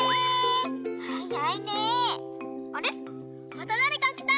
あれまただれかきた。